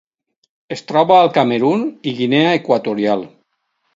Es troba al Camerun i Guinea Equatorial.